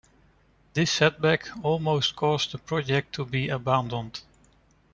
This setback almost caused the project to be abandoned.